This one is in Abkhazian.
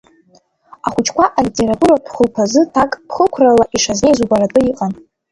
Ахәыҷқәа алитературатә хәылԥазы ҭакԥхықәрала ишазнеиз убаратәы иҟан.